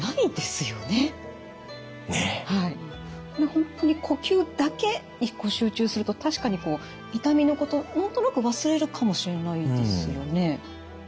本当に呼吸だけ一個集中すると確かにこう痛みのこと何となく忘れるかもしれないですよね。